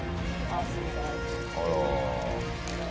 あら。